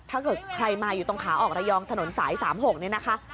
ถ้าเกิดใครมาอยู่ตรงขาออกระยองถนนสาย๓๖เนี่ยนะคะ